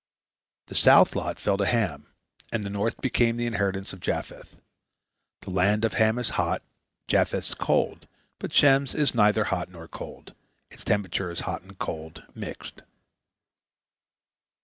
The south fell to the lot of Ham, and the north became the inheritance of Japheth. The land of Ham is hot, Japheth's cold, but Shem's is neither hot nor cold, its temperature is hot and cold mixed.